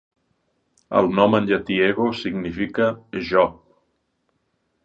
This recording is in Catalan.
El nom en llatí ego significa "jo".